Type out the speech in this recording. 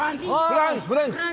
フランスフレンツ？